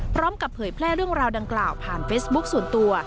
เผยแพร่เรื่องราวดังกล่าวผ่านเฟซบุ๊คส่วนตัว